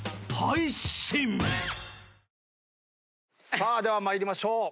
さあでは参りましょう。